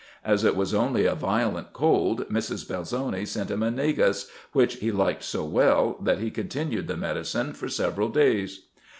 As it was only a violent cold, Mrs. Belzoni sent him a negus, which he liked so well, that he continued the medicine for several days.